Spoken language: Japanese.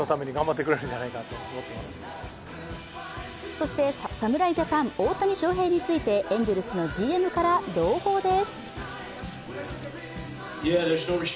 そして侍ジャパン・大谷翔平について、エンゼルスのＧＭから朗報です。